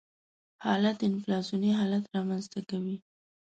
حالت انفلاسیوني حالت رامنځته کوي.